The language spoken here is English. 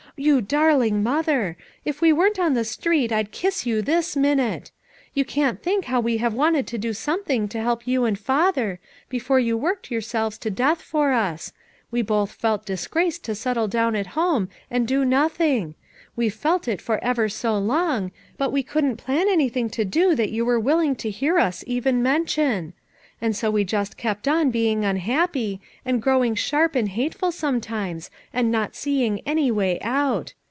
You darling mother I If we weren't on the street I'd kiss you this minute! You can't think how we have wanted to do something to help you and father, before you worked yourselves to death for us ; we both felt disgraced to settle down at home and do nothing; we've felt it for ever so long, but we couldn't plan anything to do that you wore will ing to hear us even mention ; and so we just kept on being unhappy, and growing sharp and hate ful sometimes, and not seeing any way out.